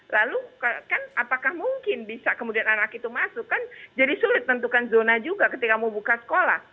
lalu kan apakah mungkin bisa kemudian anak itu masuk kan jadi sulit tentukan zona juga ketika mau buka sekolah